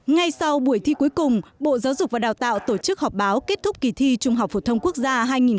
ngay sau buổi thi cuối cùng bộ giáo dục và đào tạo tổ chức họp báo kết thúc kỳ thi trung học phổ thông quốc gia hai nghìn một mươi chín